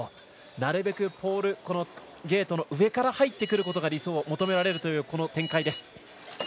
なるべくポールゲートの上から入ってくることが求められる展開です。